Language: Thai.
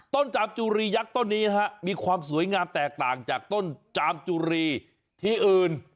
จามจุรียักษ์ต้นนี้นะฮะมีความสวยงามแตกต่างจากต้นจามจุรีที่อื่น